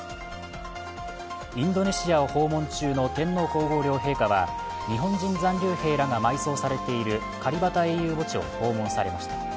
インドネシアを訪問中の天皇皇后両陛下は日本人残留兵らが埋葬されているカリバタ英雄墓地を訪問されました。